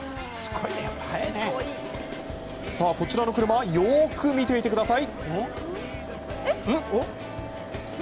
こちらの車よく見ていてください。